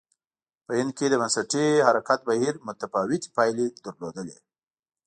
په هند کې د بنسټي حرکت بهیر متفاوتې پایلې لرلې.